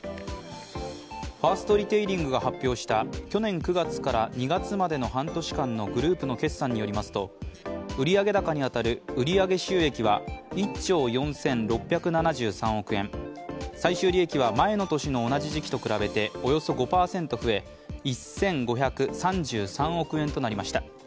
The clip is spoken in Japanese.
ファーストリテイリングは発表した去年９月から２月までの半年間のグループの決算によりますと、売上高に当たる売上収益は１兆４６７３億円、最終利益は前の年の同じ時期と比べておよそ５％増え、１５３３億円となりました。